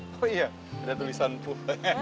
oh iya ada tulisan tuh